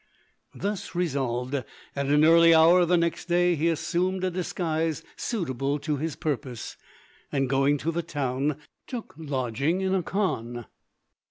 Thus resolved, at an early hour the next day, he assumed a disguise suitable to his purpose, and going to the town took lodging in a khan.